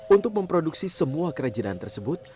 untuk memproduksi semua kerajinan tersebut